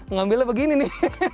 ngambilnya begini nih